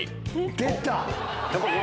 出た！